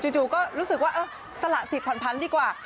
จู่ก็รู้สึกว่าสละสิทธิผ่อนพันธุ์ดีกว่า